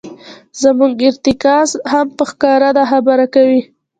زموږ ارتکاز هم په ښکاره دا خبره کوي.